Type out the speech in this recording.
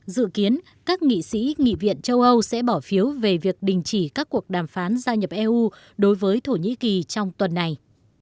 dự kiến các nghị sĩ nghị viện châu âu sẽ bỏ phiếu về việc đình chỉ các cuộc đàm phán gia nhập eu đối với thổ nhĩ kỳ trong tuần này